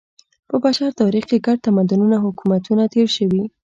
په بشر تاریخ کې ګڼ تمدنونه او حکومتونه تېر شوي.